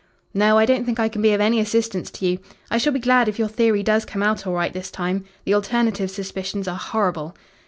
"No, I don't think I can be of any assistance to you. I shall be glad if your theory does come out all right this time. The alternative suspicions are horrible.